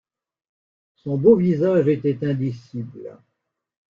Son beau visage était indicible.